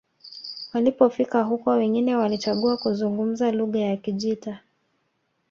walipofika huko wengine walichagua kuzungumza lugha ya kijita